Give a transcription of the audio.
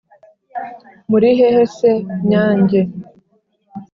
muri hehe se nyange